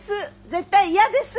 絶対嫌です。